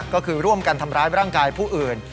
ก็คือร่วมกันทำร้ายร่างกายผู้อื่น